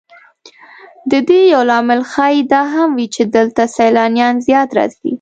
د دې یو لامل ښایي دا هم وي چې دلته سیلانیان زیات راځي.